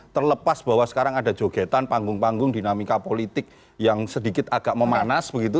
terlepas bahwa sekarang ada jogetan panggung panggung dinamika politik yang sedikit agak memanas begitu